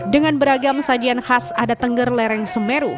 dengan beragam sajian khas adat tengger lereng semeru